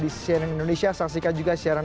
di cnn indonesia saksikan juga siaran